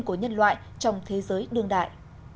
của nhân loại trong thế giới đương đại